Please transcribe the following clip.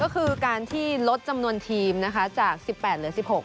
ก็คือการที่ลดจำนวนทีมนะคะจาก๑๘เหลือ๑๖